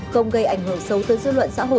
không gây ảnh hưởng xấu tới dư luận xã hội